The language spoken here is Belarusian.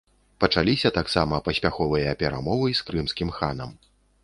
Пачаліся таксама паспяховыя перамовы з крымскім ханам.